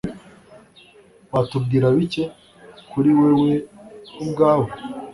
Watubwira bike kuri wewe ubwawe?